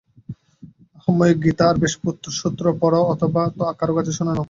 আহাম্মক, গীতা আর ব্যাসসূত্র পড় অথবা আর কারও কাছে শুনে নাও।